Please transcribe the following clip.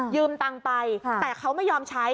ตังค์ไปแต่เขาไม่ยอมใช้